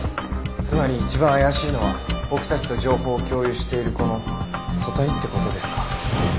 つまり一番怪しいのは僕たちと情報を共有しているこの組対って事ですか？